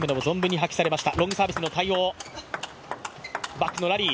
バックのラリー。